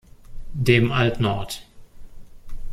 Dem altnord.